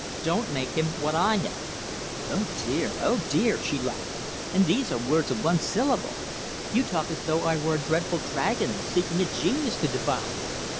Don't make him what I am." "Oh dear, oh dear," she laughed, "and these are words of one syllable! You talk as though I were a dreadful dragon seeking a genius to devour!"